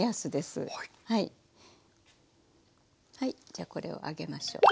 じゃあこれを揚げましょう。